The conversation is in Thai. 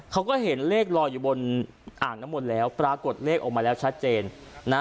เขาก็เห็นเลขลอยอยู่บนอ่างน้ำมนต์แล้วปรากฏเลขออกมาแล้วชัดเจนนะ